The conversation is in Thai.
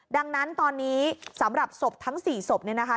ดังนั้นตอนนี้สำหรับศพทั้ง๔ศพเนี่ยนะคะ